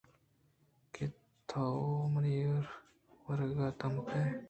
کہ تو منی وَرَگ ءِ دمب ءَ ئے